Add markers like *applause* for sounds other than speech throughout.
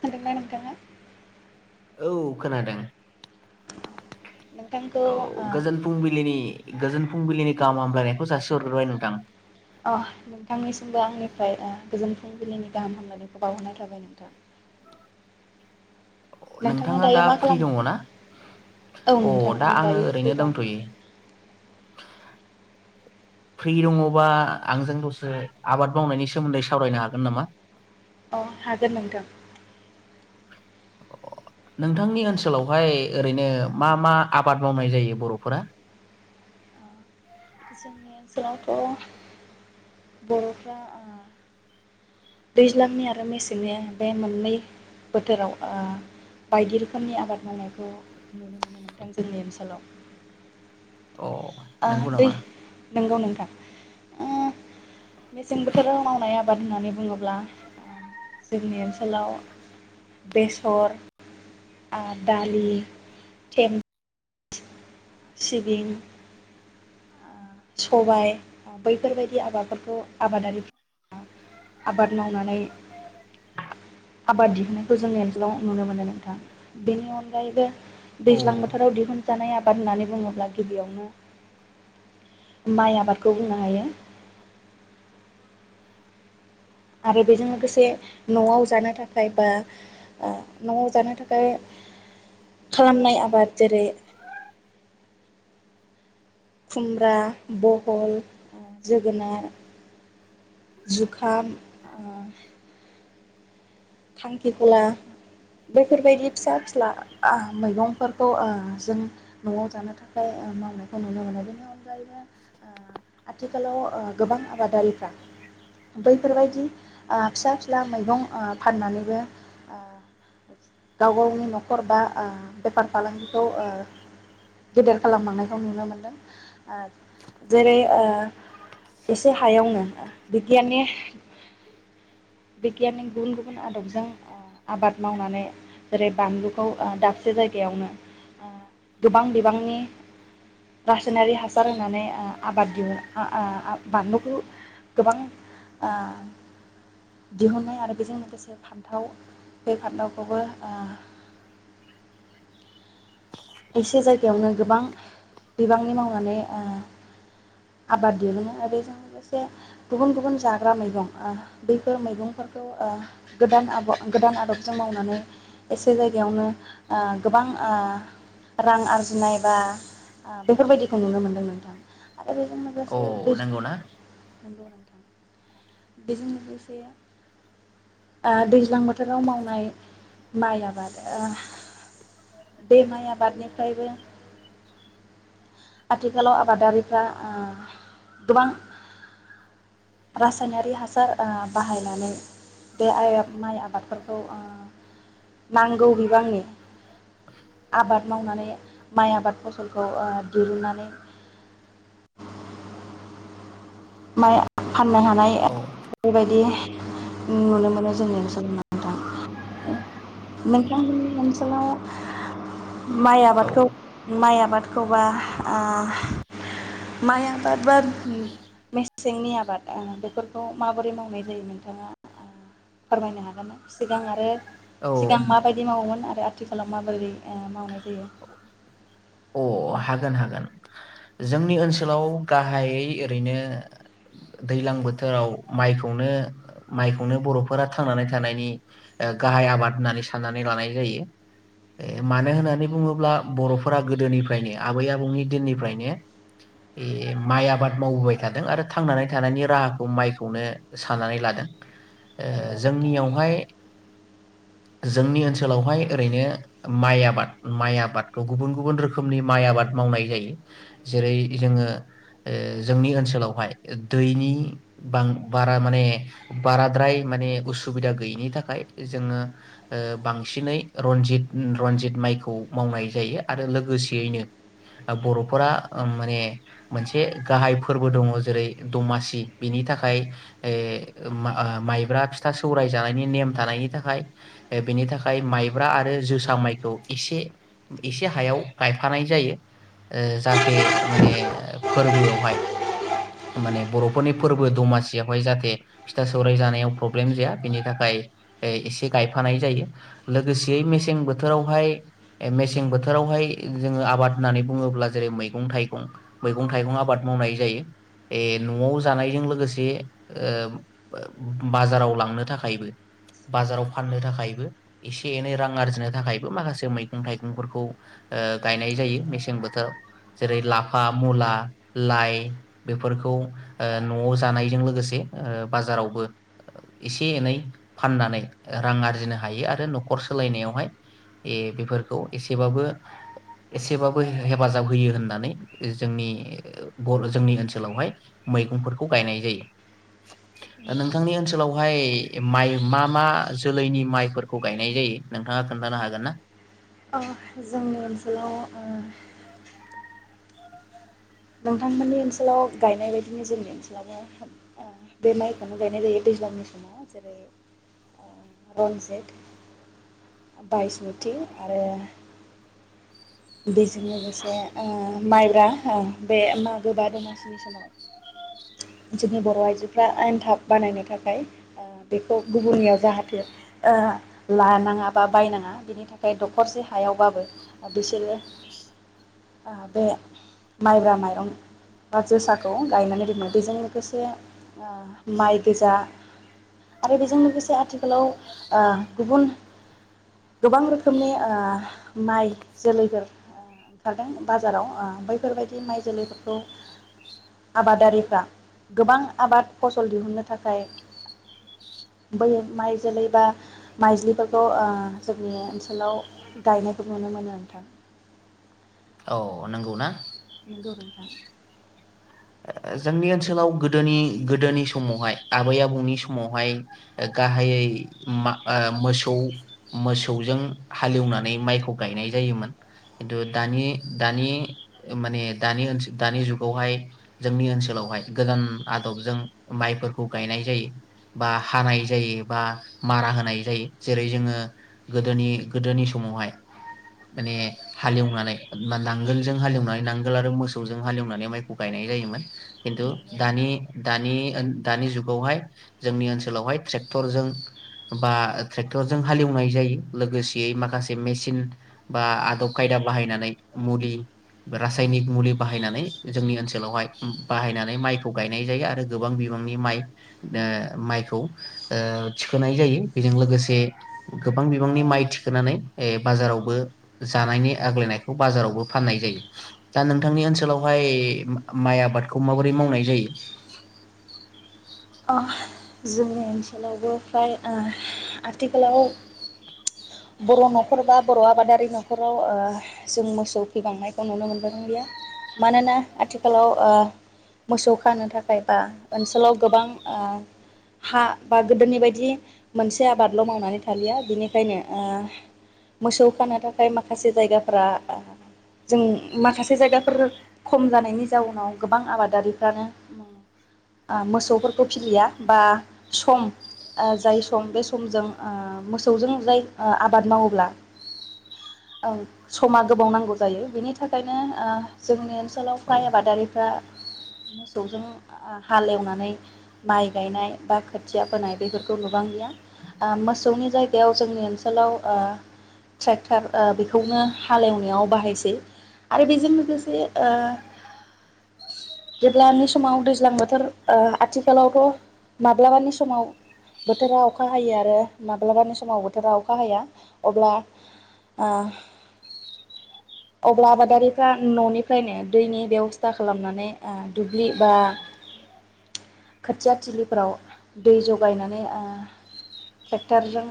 खोनादोंना नोंथाङा औ खोनादों नोंथांखौ औ ओ गोजोन फुंबिलिनि गोजोन फुंबिलिनि गाहाम हामलायनायखौ जासि हरग्रोबाय नोथां अ नोंथांनिसिमबो आंनिफ्राय ओ गोजोन फुंबिलिनि गाहाम हामलायनायखौ बावहरनाय थाबाय नोंथां नोंथाङा दायो दा मा फ्रि खालामदों? दङना औ अ नोंथां दा आं आङो दायो फ्रि ओरैनो दं दंथयो फ्रि दङबा आंजों दसे आबाद मावनायनि सोमोन्दै सावरायनो हागोन नामा अ हागोन नोंथां अ नोंथांनि ओनसोलावहाय ओरैनो मा मा आबाद मावनाय जायो बर'फोरा जोंनि ओनसोलावथ' बर'फ्रा ओ दैज्लांनि आरो मेसेंनि बे मोननै बोथोराव ओ बायदि रोखोमनि आबाद मावनायखौ नुनो मोनो नोंथां जोंनि ओनसोलाव अ ओ नंगौ दै नामा नंगौ नोंथां ओ मेसें बोथोराव मावनाय आबाद होननानै बुङोब्ला जोंनि ओनसोलाव बेसर ओ दालि थोन सिबिं सबाय बैफोरबायदि आबादफोरखौ आबादारिफ्रा आबाद मावनानै आबाद दिहुननायखौ जोंनि ओनसोलाव नुनो मोनो नोंथां बेनि अनगायैबो औ दैज्लां बोथोराव दिहुनजानाय आबाद आबाद होननानै बुङोब्ला गिबियावनो माइ आबादखौ बुंनो हायो आरो बेजों लोगोसे न'आव जानो थाखाय बा ओ न'आव जानो थाखाय खालामनाय आबाद जेरै खुमब्रा बहल जोगोनार जुखाम ओ खांखिखला बैफोरबायदि फिसा फिस्ला ओ मैगंफोरखौ ओ जों न'आव जानो थाखाय मावनायखौ नुनो मोनो बेनि अनगायैनो ओ आथिखालाव गोबां आबादारिफ्रा बैफोरबायदि ओ फिसा फिला मैगं ओ फाननानैबो ओ गाव गावनि न'खर बा ओ बेफार फालांगिखौ ओ गेदेर खालामलांनायखौ नुनो मोनदों ओ जेरै ओ एसे हायावनो बिगियाननि बिगियाननि गुबुन गुबुन आदबजों ओ आबाद मावनानै जेरै बानलुखौ ओ दाबसे जायगायावनो ओ गोबां बिबांनि रासायनारि हासार होनानै ओ आबाद दिहुन बानलुखौ गोबां ओ दिहुननाय आरो बेजों लोगोसे सासे फान्थाव बे फान्थावखौबो ओ एसे जायगायावनो गोबां बिबांनि मावनानै ओ आबाद दिहुनो आरो बेजों लोगोसे गुबुन गुबुन जाग्रा ओह मैगं ओह बैफोर मैगंफोरखौ ओ गोदान आद गोदान आदब जों मावनानै एसे जायगायावनो ओ गोबां ओह रां आरजिनाय बा ओ बेफोरबायदिखौ नुनो मोनदों नोंथां बेजों औ लोगोसे नंगौना *unintelligible* बेजों लोगोसे आ दैज्लां बोथोराव मावनाय माइ आबाद ओह बे माइ आबादनिफ्रायबो आथिखालाव आबादारिफ्रा ओ गोबां रासार रासायनारि हासार ओ बाहायनानै बे माइ आबादफोरखौ ओ नांगौ बिबांनि आबाद मावनानै माइ आबाद फसलखौ ओ दिरुनानै माइ फाननो हानाय औ बेबायदि नुनो मोनो जोंनि ओनसोलाव नोंथां नोंथां मोननि ओनसोलाव माइ औ आबादखौ माइ आबादखौबा आह माइ आबादबा मेसेंनि आबाद ओ बेफोरखौ माबोरै मावनाय जायो नोंथाङा ओ फोरमायनो हागोन? सिगां आरो औ सिगां माबायदि मावोमोन? आरो आथिखालाव माबोरै ओ मावनाय जायो?? अ हागोन हागोन। जोंनि ओनसोलाव गाहायै ओरैनो दैज्लां बोथोराव माइखौनो माइखौनो बर'फोरा थांनानै थानायनि ओ गाहाय आबाद होननानै साननानै लानाय जायो ओ मानो होननानै बुङोब्ला बर'फोरा गोदोनिफ्राय फ्रायनो आबै आबौनि दिननिफ्रायनो माइ आबाद मावबोबाय थादों आरो थांनानै थानायनि राहाखौ माइखौनो साननानै लादों। ओ नंगौ नोंथाङा जोंनियावहाय जोंनि ओनसोलावहाय ओरैनो माइ आबाद माइ आबादखौ गुबुन गुबुन रोखोम रोखोमनि माइ आबाद मावनाय जायो जेरै जोङो ओ जोंनि ओनसोलावहाय दैनि बारा माने बाराद्राय माने उसुबिदा गैयिनि थाखाय जोङो ओ बांसिनै रनजित उम रनजित माइखौ मावनाय जायो आरो लोगोसे यैनो बर'फोरा ओ माने मोनसे गाहाय फोरबो दङ जेरै दमासि बेनि थाखाय ओ माइब्रा फिथा सौराय जानायनि नेम थानायनि थाखाय बेनि थाखाय माइब्रा आरो जोसा माइखौ एसे एसे हायाव गायफानाय जायो ओ जाहाथे माने फोरबोआवहाय माने बर'फोरनि फोरबो दमासियावहाय जाहाथे फिथा सौराइ जानायाव प्रब्लेम जाया बिनि थाखाय ओ एसे गायफानाय जायो लोगोसेयै मेसें बोथोरावहाय मेसें बोथोरावहाय जोङो आबाद होननानै बुङोब्ला जेरै मैगं थाइगं मैगं थाइगं आबाद मावनाय जायो ए न'आव जानायजों लोगोसे ओ बाजाराव लांनो थाखायबो बाजाराव फाननो थाखायबो एसे एनै रां आरजिनो थाखायबो माखासे मैगं थाइगंफोरखौ ओ गायनाय जायो मेसें बोथोराव जेरै लाफा मुला लाइ बेफोरखौ ओ न'आव जानायजों लोगोसे ओ बाजारावबो एसे एनै फाननानै रां आरजिनो हायो आरो न'खर सोलायनायावहाय ए बेफोरखौ एसेबाबो एसेबाबो हेफाजाब होयो होननानै जोंनि बर' जोंनि ओनसोलावहाय मैगंफोरखौ गायनाय जायो नोंथांनि ओनसोलावहाय माइ मा मा जोलैनि माइफोरखौ गायनाय जायो नोंथाङा खोन्थानो हागोन ना? अ जोंनि ओनसोलाव ओ नोंथांमोननि ओनसोलाव गायनाय बायदिनो जोंनि ओनसोलावनो ओ बे माइखौनो गायनाय जायो दैज्लांनि समाव जेरै ओ रनजित बाइसमुथि आरो बेजों लोगोसे ओ माइब्रा ओ बे मागो बा दमासिनि समाव जोंनि बर' आइजोफ्रा एनथाब बानायनो थाखाय ओ बेखौ गुबुननियाव जाहाथे ओ लानाङा बा बायनाङा बेनि थाखाय दखरसे हायावबाबो ओ बिसोरो ओ बे माइब्रा माइरं बा जोसाखौ गायनानै दोनो बेजों लोगोसे ओ माइ गोजा आरो बेजों लोगोसे आथिखालाव ओ गुबुन गोबां रोखोमनि ओ माइ- जोलैफोर ओ ओंखारदों बाजाराव ओ बैफोरबायदि माइ जोलैफोरखौ आबादारिफ्रा गोबां आबाद फसल दिहुनन्नो थाखाय बै माइ जोलै बा माइज्लिफोरखौ ओ जोंनि ओनसोलाव गायनायखौ नुनो मोनो थां औ नंगौ ना नंगौ नोंथा जोंनि ओनसोलाव गोदोनि गोदोनि समावहाय आबै आबौनि समावहाय गाहायै मा आआ मोसौ मोसौजों हालेवनानै माइखौ गायनाय जायोमोन खिन्थु दानि दानि माने दानि ओनसो दानि जुगावहाय जोंनि ओनसोलावहाय गोदान आदबजों माइफोरखौ गायनाय जायो बा हानाय जायो बा मारा होनाय जायो जेरै जोङो गोदोनि गोदोनि समावहाय माने हालेवनानै नांगोलजों हालेवनानै नांगोल आरो मोसौजों हालेवनानै माइखौ गायनाय जायोमोन खिनथु नंगौ दानि नोंथां। दानि ओ दानि जुगावहाय जोंनि ओनसोलावहाय ट्रेक्टरजों बा ट्रेक्टरजों हालेवनाय जायो लोगोसेयै माखासे मेचिन बा आदब खायदा बाहायनानै मुलि रासायनिक मुलि बाहायनानै जोंनि ओनसोल ओनसावहाय बाहायनानै माइखौ गायनाय जायो आरो गोबां बिबांनि माइ ओ माइखौ ओ थिखोनाय जायो बेजों लोगोसे गोबां बिबांनि माइ थिखोनानै ओ बाजारावबो जानायनि आग्लायनायखौ बाजारावबो फाननाय जायो दा नोंथांनि ओनसोलावहाय माइ आबादखौ माबोरै मावनाय जायो?? जोंनि ओनसोलावबो फ्राय ओ आथिखालाव बर' न'खर बा बर' आबादारि न'खराव ओ जों मोसौ फिबांनायखौ नुनो मोनबोदोंलिया मानोना आथिखालाव ओह मोसौ खानो थाखाय बा ओनसोलाव गोबां ओ हा बा गोदोनि बायदि मोनसे आबादल' मावनानै थालिया बिनिखायनो ओ मोसौ खानो थाखाय माखासे जायगाफोरा जों माखासे जायगाफोर खम जानायनि जाउनाव गोबां आबादारिफ्रानो ओ मोसौ फिलिया बा सम ओ जाय सम बे समजों ओ मोसौजों जाय आबाद मावोब्ला समा गोबाव नांगौ जायो बिनि थाखायनो ओ जोंनि ओनसोल आथिसालाव औ फ्राय आबादारिफ्रा मोसौजों आ-हालेवनानै माइ गायनाय बा खोथिया फोनाय बेफोरखौ नुबांलिया ओ मोसौनि जायगायाव जोंनि ओनसोलाव ओ ट्रेक्टर ओ बेखौनो हालेवनायाव बाहायसै आरो बेजों लोगोसे ओ जेब्लानि समाव दैज्लां बोथोर ओ आथि खालावथ' माब्लाबानि समाव बोथोरा अखा हायो आरो माब्लाबानि समाव बोथोरा अखा हाया अब्ला ओ अब्ला आबादारिफ्रा न'निफ्रायनो दैनि बेब'स्था खालामनानै ओ दुब्लि बा खोथिया थिलिफ्राव दै जगायनानै ओ टेक्टरजों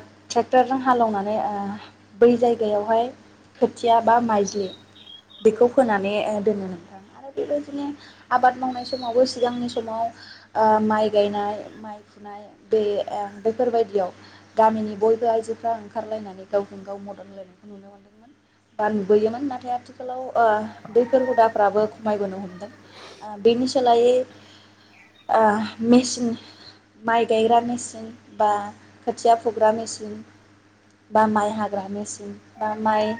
ट्रेक्टरजों हालेवनानै ओ बै जायगायावहाय खोथिया बा माइजलि बेखौ फोनानै दोनोमोन आरो बेबायदिनो आबाद मावनाय समावबो सिगांनि सम समाव माइ गायनाय माइ फुनाय दै ओ बैफोरबायायदियाव गामिनि बयबो आइजोफ्रा ओंखारलायनानै गावजों गाव मदद होलायनायखौ नुनो मोन्दोंमोन बा नुबोयोमोन नाथाय आथिखालाव ओ बैफोर हुदाफ्राबो खमायबोनो हमदों ओ बेनि सोलायै ओ मेचिन माइ गायग्रा मेचिन बा खोथिया फुग्रा मेचिन बा माइ हाग्रा मेचिन बा माइ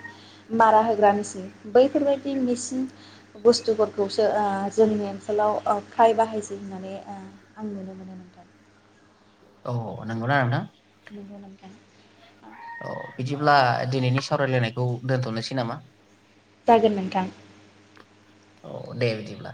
मारा होग्रा मेचिन बैफोरबायदि मेसिन बुस्थुफोरखौसो ओ जोंनि ओनसोलाव फ्राय बाहाय होननानै ओ आं नुनो मोनो नोंथां अ नोंगौ ना नोंथां नंगौ नोंथां औ बिदिब्ला दिनैनि सावरायलायनायखौ दोनथ'नोसै नामा जागोन नोंथां अ दे बिदिब्ला